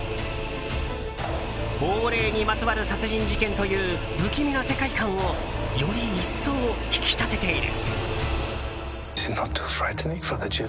亡霊にまつわる殺人事件という不気味な世界観をより一層、引き立てている。